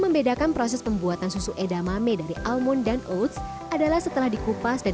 membedakan proses pembuatan susu edamame dari almond dan oats adalah setelah dikupas dan